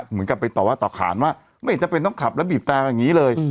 เหมือนกับไปต่อว่าต่อขานว่าไม่จำเป็นต้องขับแล้วบีบแต่อย่างนี้เลย